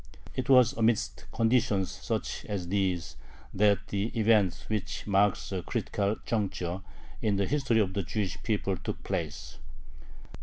It was amidst conditions such as these that the event which marks a critical juncture in the history of the Jewish people took place.